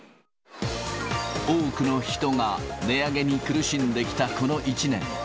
多くの人が値上げに苦しんできたこの１年。